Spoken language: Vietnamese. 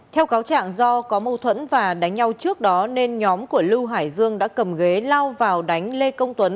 theo cáo trạng do có mâu thuẫn và đánh nhau trước đó nên nhóm của lưu hải dương đã cầm ghế lao vào đánh lê công tuấn